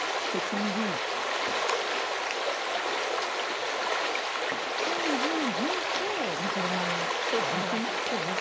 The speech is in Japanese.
金銀銀桂持ち駒にあるわけですね。